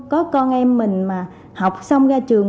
có con em mình mà học xong ra trường